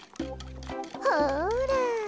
ほら。